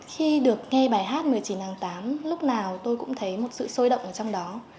khi được nghe bài hát một mươi chín tháng tám lúc nào tôi cũng thấy một sự sôi động ở trong đó